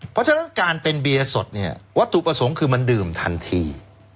เพราะฉะนั้นการเป็นเบียร์สดเนี่ยวัตถุประสงค์คือมันดื่มทันที